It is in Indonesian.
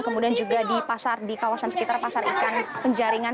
kemudian juga di kawasan sekitar pasar ikan penjaringan